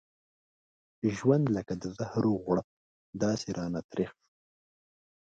ژوند لکه د زهرو غړپ داسې راته تريخ شو.